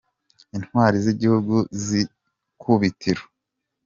Intwari z’igihugu z’ikubitiro